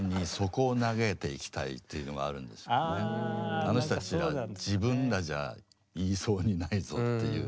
あの人たちは自分らじゃ言いそうにないぞっていう。